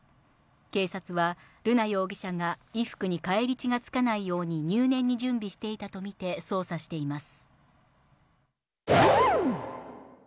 警察は、瑠奈容疑者が衣服に返り血がつかないように入念に準備していたと見て、捜査しています。